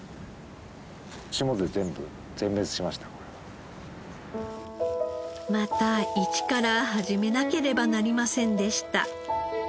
霜で全部また一から始めなければなりませんでした。